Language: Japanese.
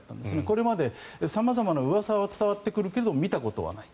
これまで様々なうわさは伝わってくるけど見たことはない。